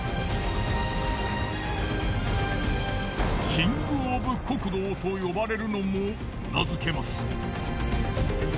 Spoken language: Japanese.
キングオブ酷道と呼ばれるのもうなずけます。